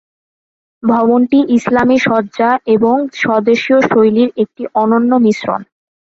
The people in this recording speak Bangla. ভবনটি ইসলামি সজ্জা এবং স্বদেশীয় শৈলীর একটি অনন্য মিশ্রণ।